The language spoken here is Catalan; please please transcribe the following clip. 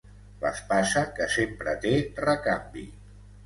L'espasa que sempre té recanvi.